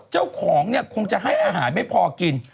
เจ้าของเนี่ยคงจะให้อาหารไม่พอกิน